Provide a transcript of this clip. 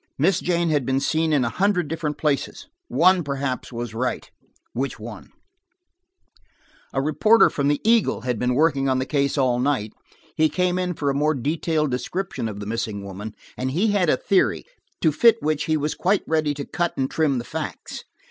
Miss Jane had been seen in a hundred different places: one perhaps was right; which one ? A reporter for the Eagle had been working on the case all night: he came in for a more detailed description of the missing woman, and he had a theory, to fit which he was quite ready to cut and trim the facts.